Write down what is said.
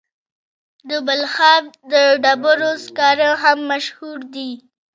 د بلخاب د ډبرو سکاره هم مشهور دي.